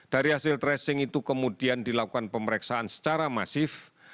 dari hasil tracing itu kemudian dilakukan pemeriksaan secara masif